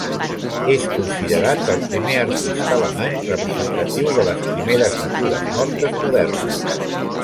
És considerat el primer artista alemany representatiu de les primeres natures mortes modernes.